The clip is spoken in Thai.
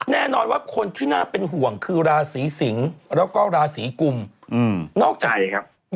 แน่นอนว่าคนที่น่าเป็นห่วงคือราศีสิงศ์แล้วก็ราศีกุมนอกใจครับ